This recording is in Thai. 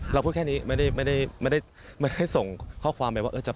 เราพูดแค่นี้ไม่ได้ส่งข้อความไปว่า